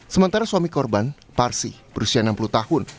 sementara suami korban parsi berusia enam puluh tahun